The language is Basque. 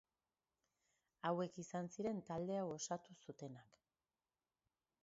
Hauek izan ziren talde hau osatu zutenak.